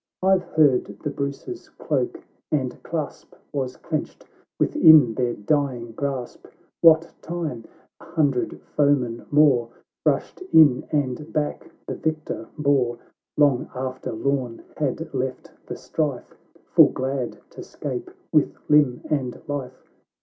I've heard the Bruce's cloak and clasp "Was clenched within their dying grasp, What time a hundred foemen more Rushed in and back the victor bore, Long after Lorn had left the strife. Pull glad to 'scape with limb and life.